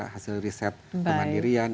hasil riset kemandirian